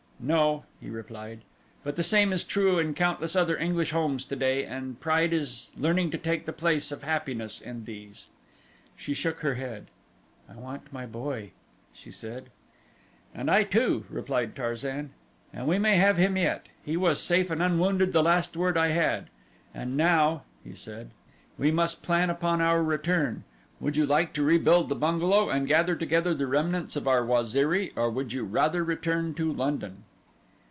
"No," he replied, "but the same is true in countless other English homes today, and pride is learning to take the place of happiness in these." She shook her head, "I want my boy," she said. "And I too," replied Tarzan, "and we may have him yet. He was safe and unwounded the last word I had. And now," he said, "we must plan upon our return. Would you like to rebuild the bungalow and gather together the remnants of our Waziri or would you rather return to London?"